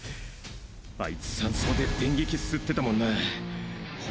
あいつ山荘で電撃吸ってたもんなァ！